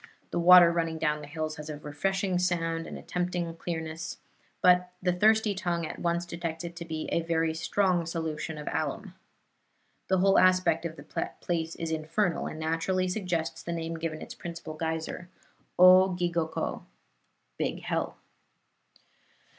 The water running down the hills has a refreshing sound and a tempting clearness, but the thirsty tongue at once detects it to be a very strong solution of alum. The whole aspect of the place is infernal, and naturally suggests the name given its principal geyser, O gigoko (Big Hell).